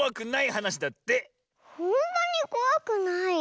ほんとにこわくない？